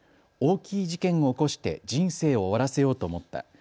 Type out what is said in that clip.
大きい事件を起こして人生を終わらせようと思った。